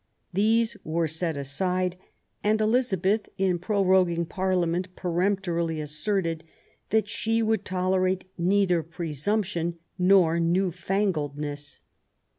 These were set aside, and Elizabeth, in proroguing Parliament, peremptorily asserted that she would tolerate neither presumption nor newfangledness".